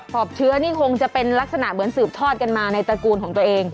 อบเชื้อนี่คงจะเป็นลักษณะเหมือนสืบทอดกันมาในตระกูลของตัวเอง